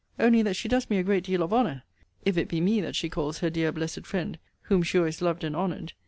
Only that she does me a great deal of honour, if it be me that she calls her dear blessed friend, whom she always loved and honoured.